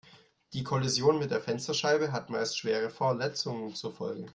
Die Kollision mit der Fensterscheibe hat meist schwere Verletzungen zur Folge.